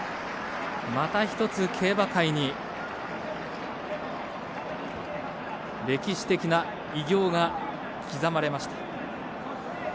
また一つ競馬界に歴史的な偉業が刻まれました。